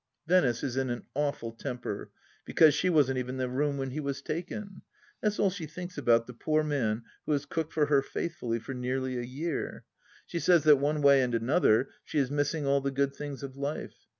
Venice is in an awful temper, because she wasn't even in the room when he was taken. That's all she thinks about the poor man who has cooked for her faithfully for nearly a year. She says that one way and another she is missing all the good things of life.